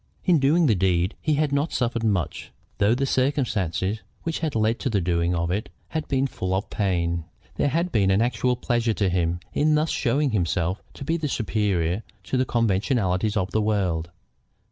In doing the deed he had not suffered much, though the circumstances which had led to the doing of it had been full of pain. There had been an actual pleasure to him in thus showing himself to be superior to the conventionalities of the world.